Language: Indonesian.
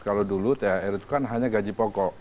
kalau dulu thr itu kan hanya gaji pokok